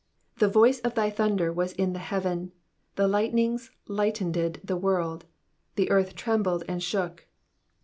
18 The voice of thy thunder was in the heaven : the lightnings lightened the world : the earth trembled and shook.